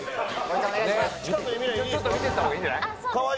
ちょっと見ていった方がいいんじゃない？